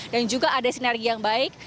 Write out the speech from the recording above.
dan juga ada sinergi yang baik